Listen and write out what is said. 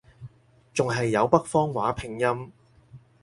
仲係有北方話拼音